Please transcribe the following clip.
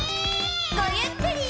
ごゆっくり。